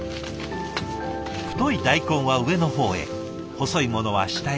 太い大根は上の方へ細いものは下へ。